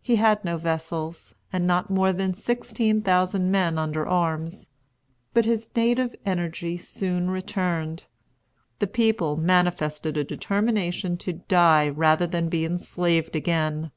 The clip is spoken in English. He had no vessels, and not more than sixteen thousand men under arms. But his native energy soon returned. The people manifested a determination to die rather than be enslaved again.